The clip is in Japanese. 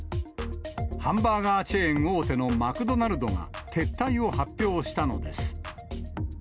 ハンバーガーチェーン大手のマクドナルドが撤退を発表したのです。